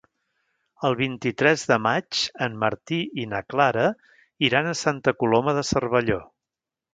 El vint-i-tres de maig en Martí i na Clara iran a Santa Coloma de Cervelló.